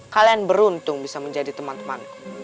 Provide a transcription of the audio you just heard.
kalian beruntung bisa menjadi teman temanku